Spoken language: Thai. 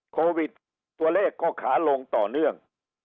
โควิดตัวเลขก็ขาลงต่อเนื่อง